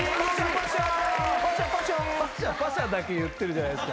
パシャパシャだけ言ってるじゃないっすか。